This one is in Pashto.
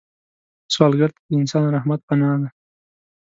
سوالګر ته د انسان رحمت پناه ده